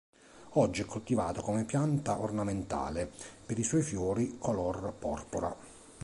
Oggi è coltivata come pianta ornamentale, per i suoi fiori color porpora.